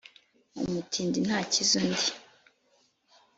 Umutindi ntakiza undi.